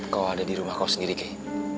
kau ada dirumah kau sendiri kei